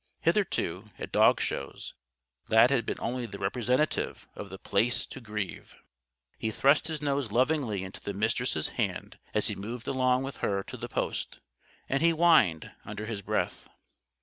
Hitherto, at dog shows, Lad had been the only representative of The Place to grieve. He thrust his nose lovingly into the Mistress' hand, as he moved along with her to the post; and he whined, under his breath.